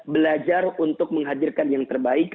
belajar untuk menghadirkan yang terbaik